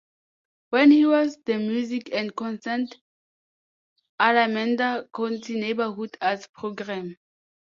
When he was the music and concert Alameda County Neighborhood Arts Program.